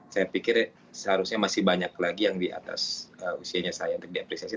saya pikir seharusnya masih banyak lagi yang di atas usianya saya untuk diapresiasi